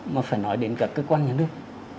mà phải nói đến cả cơ quan nhà nước